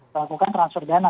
melakukan transfer dana